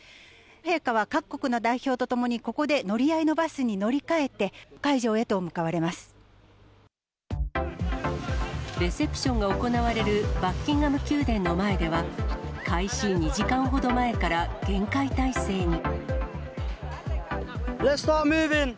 陛下は各国の代表と共に、ここで乗り合いのバスに乗り換えて、レセプションが行われるバッキンガム宮殿の前では、開始２時間ほど前から厳戒態勢に。